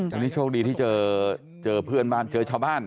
อันนี้โชคดีที่เจอเพื่อนบ้านเจอชาวบ้าน